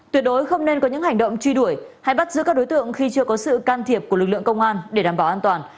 tuyệt đối không nên có những hành động truy đuổi hay bắt giữ các đối tượng khi chưa có sự can thiệp của lực lượng công an để đảm bảo an toàn